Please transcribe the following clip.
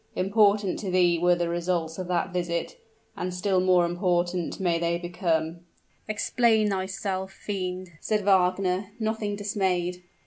Important to thee were the results of that visit and still more important may they become!" "Explain thyself, fiend!" said Wagner, nothing dismayed.